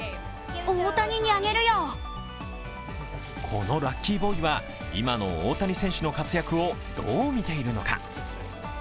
このラッキーボーイは今の大谷選手の活躍をどう見ているのか。